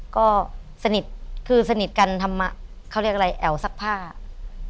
ก็สนิทคือสนิทกันทำเขาเรียกอะไรแอ๋วซักผ้า